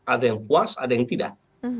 ada yang puas ada yang tidak